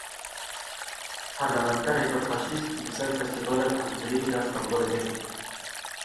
Parlamentereke faşîst bi ser Festîvala Kulturî ya Stenbolê de girt.